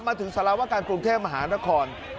มาถึงสละวะการกรุงเทพมหานคร